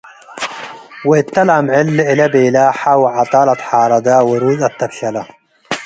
ወእተ ለአምዕል ለእለ' ቤለ ሐ ወዐጣል አትሓረደ፡ ወሩዝ አተብሸለ።